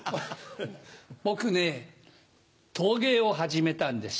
僕ね陶芸を始めたんです。